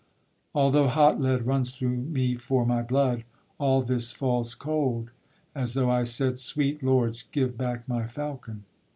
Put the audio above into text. Although hot lead runs through me for my blood, All this falls cold as though I said, Sweet lords, Give back my falcon!